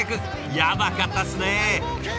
やばかったっすね。